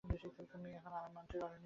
তুমি এখনি হার মানতে পারো না।